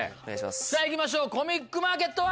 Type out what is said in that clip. さぁ行きましょうコミックマーケットは。